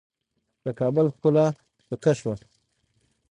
د کابل ښکلا پیکه شوه.